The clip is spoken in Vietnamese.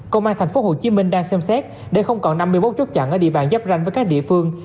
công an tp hcm đang xem xét để không còn năm mươi một chốt chặn ở địa bàn giáp ranh với các địa phương